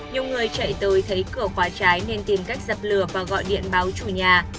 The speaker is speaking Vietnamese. nhiều người chạy tới thấy cửa khóa trái nên tìm cách dập lửa và gọi điện báo chủ nhà